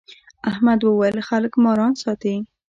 احمد وويل: خلک ماران ساتي.